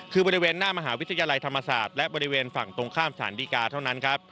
คือบริเวณหน้ามหาวิทยาลัยธรรมศาสตร์และบริเวณฝั่งตรงข้ามสารดีกาเท่านั้นครับ